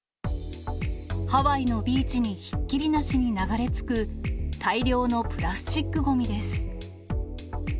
ハワイのビーチにひっきりなしに流れ着く、大量のプラスチックごみです。